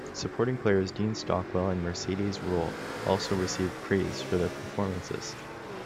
Supporting players Dean Stockwell and Mercedes Ruehl also received praise for their performances.